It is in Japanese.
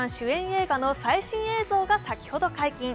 映画の最新映像が先ほど解禁。